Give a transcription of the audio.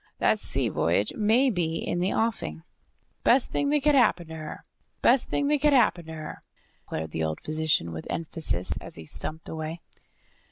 "That sea voyage may be in the offing." "Best thing that could happen to her, best thing that could happen to her!" declared the old physician with emphasis, as he stumped away.